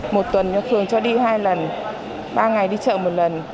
một tuần cho phường cho đi hai lần ba ngày đi chợ một lần